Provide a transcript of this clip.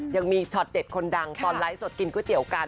ช็อตเด็ดคนดังตอนไลฟ์สดกินก๋วยเตี๋ยวกัน